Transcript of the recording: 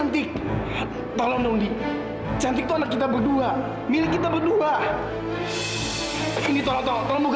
ngapain ngurusin aku sama si cantik